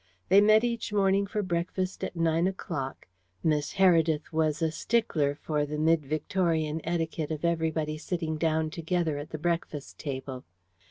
They met each morning for breakfast at nine o'clock Miss Heredith was a stickler for the mid Victorian etiquette of everybody sitting down together at the breakfast table.